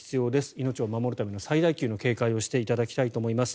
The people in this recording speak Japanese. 命を守るための最大級の警戒をしていただきたいと思います。